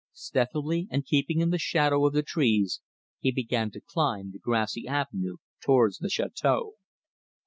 Stealthily, and keeping in the shadow of the trees, he began to climb the grassy avenue towards the château.